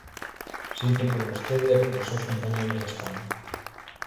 Síntoo por vostede e polos seus compañeiros de escano.